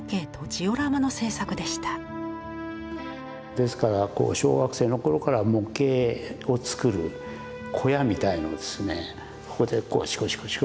ですからこう小学生の頃から模型を作る小屋みたいのでここでシコシコ